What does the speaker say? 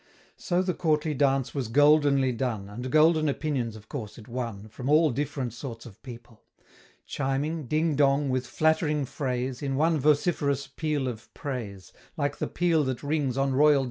So the courtly dance was goldenly done, And golden opinions, of course, it won From all different sorts of people Chiming, ding dong, with flattering phrase, In one vociferous peal of praise, Like the peal that rings on Royal days From Loyalty's parish steeple.